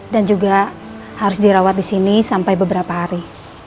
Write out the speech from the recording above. dan juga harus dirawat di sini sampai beberapa hari